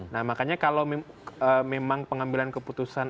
nah makanya kalau memang pengambilan keputusan